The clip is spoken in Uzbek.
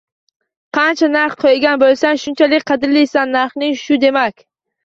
Qancha narx qo‘ygan bo‘lsang, shunchalik qadrlisan - narxing shu demak.